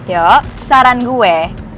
yop saran gue